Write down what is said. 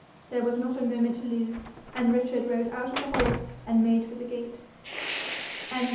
There was not a moment to lose, and Richard rode out of the hall and made for the gate. CHAPTER XXIX.